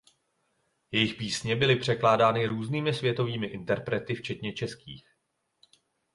Jejich písně byly překládány různými světovými interprety včetně českých.